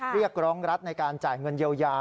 เรียกร้องรัฐในการจ่ายเงินเยียวยา